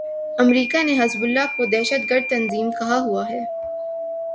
امریکا نے حزب اللہ کو دہشت گرد تنظیم کہا ہوا ہے۔